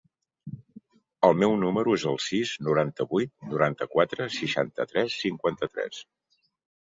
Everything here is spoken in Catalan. El meu número es el sis, noranta-vuit, noranta-quatre, seixanta-tres, cinquanta-tres.